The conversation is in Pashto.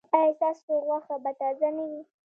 ایا ستاسو غوښه به تازه نه وي؟